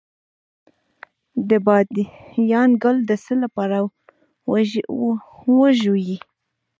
د بادیان ګل د څه لپاره وژويئ؟